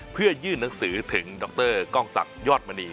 เพื่อยื่นหนังสือถึงดรกล้องศักดิยอดมณี